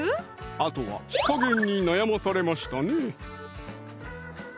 あとは火加減に悩まされましたね